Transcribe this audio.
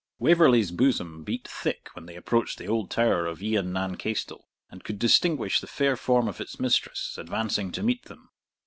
Waverley's bosom beat thick when they approached the old tower of Ian nan Chaistel, and could distinguish the fair form of its mistress advancing to meet them.